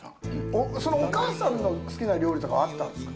そのお母さんの好きな料理とかはあったんですか？